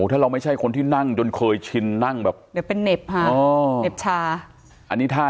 ถ้าเราไม่ใช่คนที่นั่งจนเกิดเช่นนั่งแบบ้าเหน็บชา